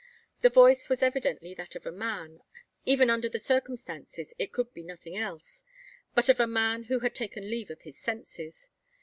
The voice was evidently that of a man. Even under the circumstances, it could be nothing else, but of a man who had taken leave of his senses.